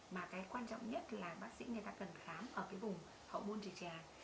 mà cái quan trọng nhất là bác sĩ người ta cần khám ở cái vùng hậu môn trực tràng